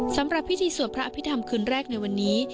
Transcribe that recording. สำหรับพิธีสวดพระอภิษฐรรมคืนแรกในวันนี้